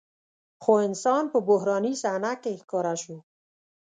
خو انسان په بحراني صحنه کې ښکاره شو.